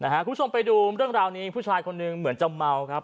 คุณผู้ชมไปดูเรื่องราวนี้ผู้ชายคนหนึ่งเหมือนจะเมาครับ